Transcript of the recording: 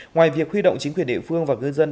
ngoài việc huy động chính quyền địa phương và ngư dân